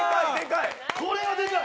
これはでかい。